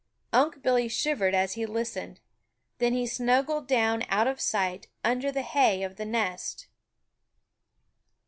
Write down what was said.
Unc' Billy shivered as he listened. Then he snuggled down out of sight under the hay of the nest.